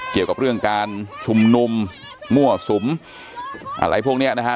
เกี่ยวกับเรื่องการชุมนุมมั่วสุมอะไรพวกนี้นะฮะ